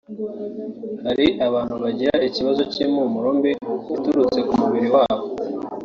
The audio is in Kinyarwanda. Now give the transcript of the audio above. Hari abantu bagira ikibazo cy’impumuro mbi iturutse k’umubiri wabo